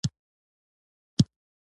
زما نیکه مړ شوی ده، الله ج د وبښي